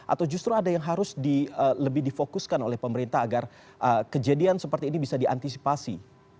atau justru ada yang harus lebih difokuskan oleh pemerintah agar kejadian seperti ini bisa diantisipasi